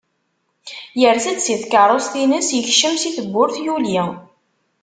Yers-d si tkerrust-ines yekcem si tewwurt, yuli.